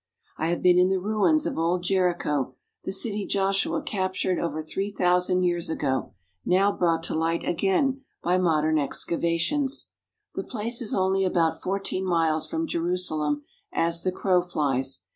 I have been in the ruins of old Jericho, the city Joshua captured over three thousand years ago, now brought to light again by modern excavations. The place is only about fourteen miles from Jerusalem as the crow flies.